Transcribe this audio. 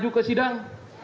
sudah sudah sidang